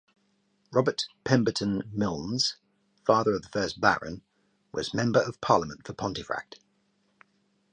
Robert Pemberton Milnes, father of the first Baron, was Member of Parliament for Pontefract.